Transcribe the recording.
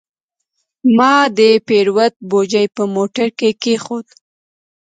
ما د پیرود بوجي په موټر کې کېښوده.